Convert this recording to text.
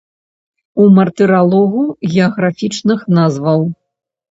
У мартыралогу геаграфічных назваў.